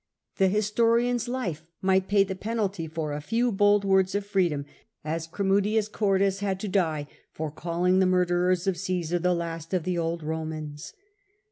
The historian's life might pay the penalty for a few bold words of freedom, as Cremutius Cordus had to die for calling the murderers of Caesar the last of the old Romans.